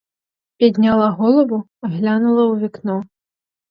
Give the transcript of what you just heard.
Підняла голову, глянула у вікно.